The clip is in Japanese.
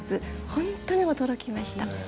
本当に驚きました。